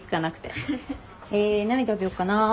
えー何食べよっかなぁ。